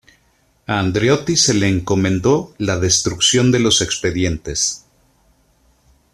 A Andreotti se le encomendó la destrucción de los expedientes.